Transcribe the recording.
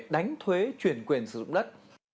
đánh thuế chuyển quyền sử dụng đất